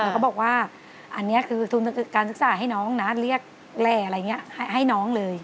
แล้วก็บอกว่าอันนี้คือทุนการศึกษาให้น้องนะเรียกแหล่อะไรอย่างนี้ให้น้องเลย